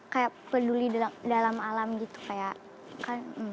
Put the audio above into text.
kayak peduli dalam alam gitu kayak kan